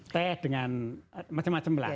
teh dengan macam macam lah